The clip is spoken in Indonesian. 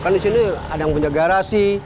kan di sini ada yang punya garasi